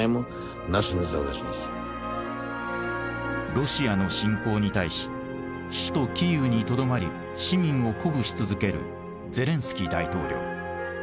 ロシアの侵攻に対し首都キーウにとどまり市民を鼓舞し続けるゼレンスキー大統領。